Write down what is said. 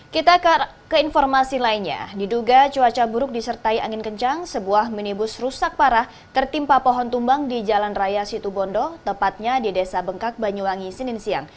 kita ke informasi lainnya diduga cuaca buruk disertai angin kencang sebuah minibus rusak parah tertimpa pohon tumbang di jalan raya situbondo tepatnya di desa bengkak banyuwangi senin siang